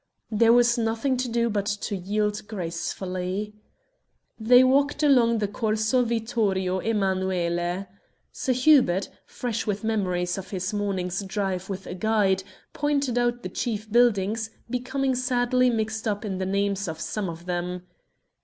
There was nothing to do but yield gracefully. They walked along the Corso Vittorio Emmanuele. Sir Hubert, fresh with memories of his morning's drive with a guide, pointed out the chief buildings, becoming sadly mixed up in the names of some of them.